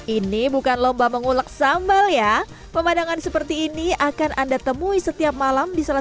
ini bukan lomba mengulek sambal ya pemandangan seperti ini akan anda temui setiap malam di salah